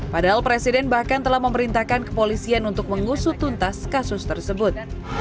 padahal presiden bahkan telah memerintahkan kepolisian untuk mengusut tuntas kasus tersebut